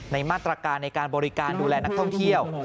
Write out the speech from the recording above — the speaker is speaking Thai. มาตรการในการบริการดูแลนักท่องเที่ยว